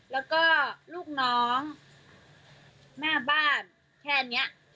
แล้วก็ลูกน้องหน้าบ้านแค่นี้